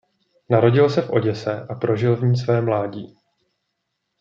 Narodil se v Oděse a prožil v ní své mládí.